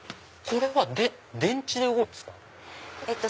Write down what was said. これは電池で動いてるんですか？